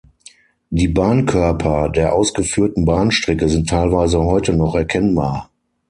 Die Bahnkörper der ausgeführten Bahnstrecke sind teilweise heute noch erkennbar.